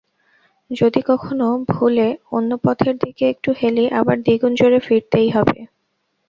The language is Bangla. যদি কখনো ভুলে অন্য পথের দিকে একটু হেলি আবার দ্বিগুণ জোরে ফিরতেই হবে।